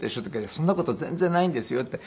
そんな事全然ないんですよって。